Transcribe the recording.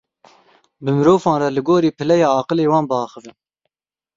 Bi mirovan re li gorî pileya aqilê wan biaxivin.